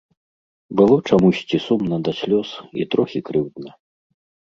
Было чамусьці сумна да слёз і трохі крыўдна.